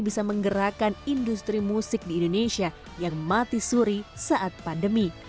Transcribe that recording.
bisa menggerakkan industri musik di indonesia yang mati suri saat pandemi